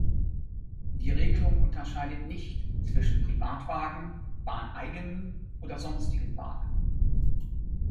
Die Regelung unterscheidet nicht zwischen Privatwagen, bahneigenen oder sonstigen Wagen.